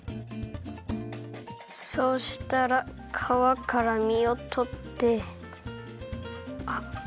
そうしたらかわから身をとって。